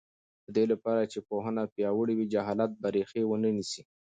د دې لپاره چې پوهنه پیاوړې وي، جهالت به ریښه ونه نیسي.